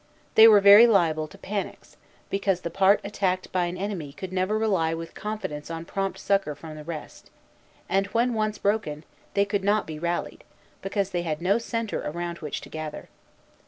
They were very liable to panics, because the part attacked by an enemy could never rely with confidence on prompt succor from the rest; and when once broken, they could not be rallied, because they had no centre around which to gather.